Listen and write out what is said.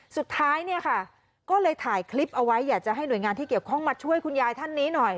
สุดท้ายเนี่ยค่ะก็เลยถ่ายคลิปเอาไว้อยากจะให้หน่วยงานที่เกี่ยวข้องมาช่วยคุณยายท่านนี้หน่อย